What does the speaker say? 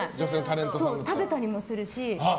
食べたりもするし。